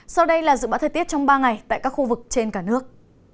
sau đây là dự báo thời tiết trong ba ngày tại các khu vực trên cả nước